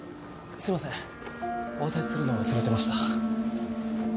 すいませんお渡しするのを忘れてました